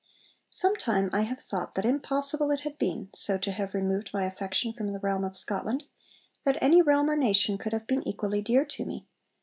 'Sometime I have thought that impossible it had been, so to have removed my affection from the realm of Scotland, that any realm or nation could have been equally dear to me.